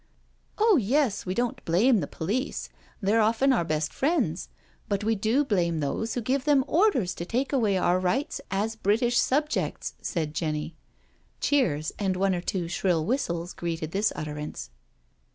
" Oh yes, we don't blame the police, they're often our best friends; but we do blame those who give them orders to take away our rights as British subjects," said Jenny. Cheers and one or two shrill whistles greeted this utterance.